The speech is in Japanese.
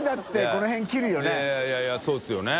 この辺切るよね？